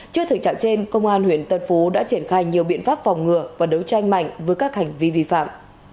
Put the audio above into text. trước thực trạng trên công an huyện tân phú đã triển khai nhiều biện pháp phòng ngừa và đấu tranh mạnh với các hành vi vi phạm